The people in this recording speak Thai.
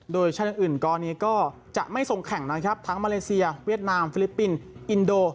โดยชาติอื่นกรณีก็จะไม่ส่งแข่งนะครับทั้งมาเลเซียเวียดนามฟิลิปปินส์อินโด